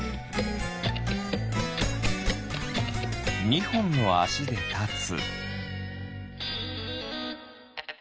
２ほんのあしでたつ。